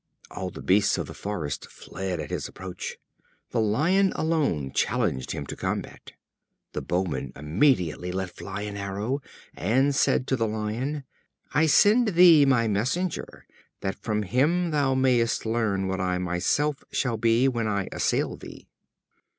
All the beasts of the forest fled at his approach. The Lion alone challenged him to combat. The Bowman immediately let fly an arrow; and said to the Lion: "I send thee my messenger, that from him thou mayest learn what I myself shall be when I assail thee."